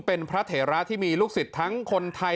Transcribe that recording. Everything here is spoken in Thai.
เป็นพระเถระที่มีลูกศิษย์ทั้งคนไทย